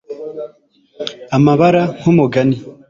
Amabara nkumugani